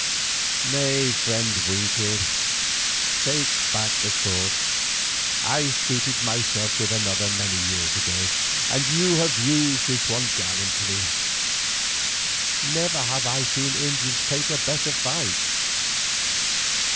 Nay, friend Wingfield, take back the sword. I suited myself with another many years ago, and you have used this one gallantly; never have I seen Indians make a better fight.